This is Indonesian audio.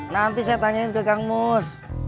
nanti saya tanyain ke kang mus